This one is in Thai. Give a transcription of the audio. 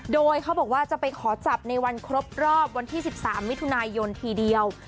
โดยเขาบอกว่าจะไปขอจับในวันครบรอบวันที่๑๓มิถุนายนทีเดียว